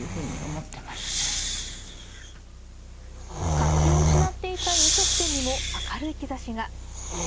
活気を失っていた飲食店にも明るい兆しが。